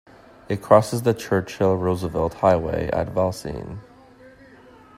It crosses the Churchill-Roosevelt Highway at Valsayn.